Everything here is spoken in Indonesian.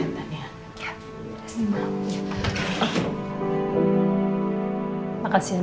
makasih ya dina udah bawain mama barang barang